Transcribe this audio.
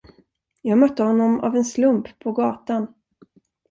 Jag mötte honom av en slump på gatan.